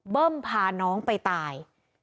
เบิ้มพาน้องไปตาย